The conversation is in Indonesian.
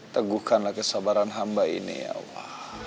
teguhkanlah kesabaran hamba ini ya allah